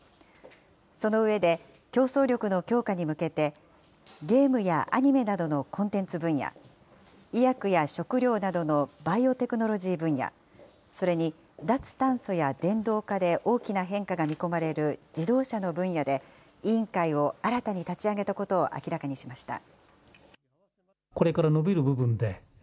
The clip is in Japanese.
その上で、競争力の強化に向けて、ゲームやアニメなどのコンテンツ分野、医薬や食料などのバイオテクノロジー分野、それに脱炭素や電動化で大きな変化が見込まれる自動車の分野で、委員会を新たに立ち上げたことを明らかにしました。